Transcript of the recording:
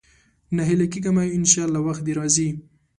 ناهيلی کېږه مه، ان شاءالله وخت دې راځي.